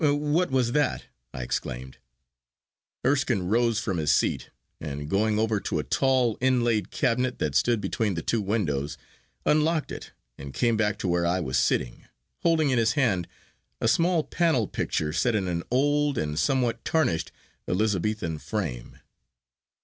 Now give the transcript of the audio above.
'What was that?' I exclaimed. Erskine rose from his seat, and going over to a tall inlaid cabinet that stood between the two windows, unlocked it, and came back to where I was sitting, holding in his hand a small panel picture set in an old and somewhat tarnished Elizabethan frame.